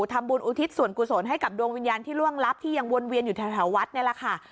อุทิศส่วนกุศลให้กับดวงวิญญาณที่ล่วงลับที่ยังวนเวียนอยู่แถววัดนี่แหละค่ะ